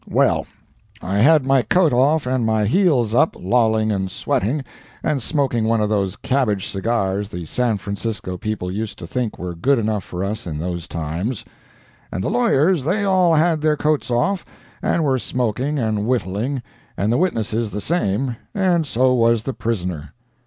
Well, I had my coat off and my heels up, lolling and sweating, and smoking one of those cabbage cigars the San Francisco people used to think were good enough for us in those times; and the lawyers they all had their coats off, and were smoking and whittling, and the witnesses the same, and so was the prisoner.